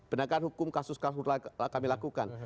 pendekatan hukum kasus karhutlah yang kami lakukan